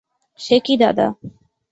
সে কী দাদা।